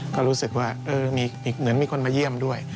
ก็รู้สึกว่าเหมือนมีคนมาเยี่ยมด้วย